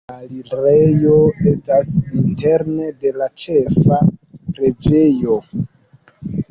La alirejo estas interne de la ĉefa preĝejo.